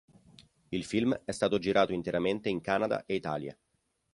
Il film è stato girato interamente in Canada e Italia.